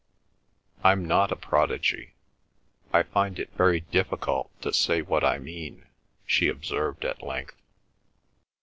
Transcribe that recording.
"I'm not a prodigy. I find it very difficult to say what I mean—" she observed at length.